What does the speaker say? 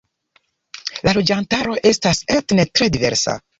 La loĝantaro estas etne tre diversa.